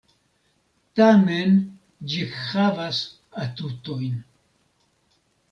Tamen ĝi havas atutojn...